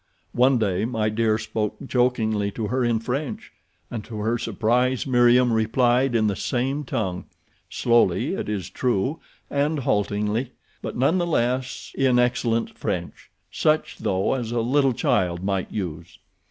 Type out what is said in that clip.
One day My Dear spoke jokingly to her in French and to her surprise Meriem replied in the same tongue—slowly, it is true, and haltingly; but none the less in excellent French, such, though, as a little child might use.